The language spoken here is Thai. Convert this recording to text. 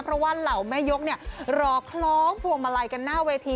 เพราะว่าเหล่าแม่ยกเนี่ยรอคล้องพวงมาลัยกันหน้าเวที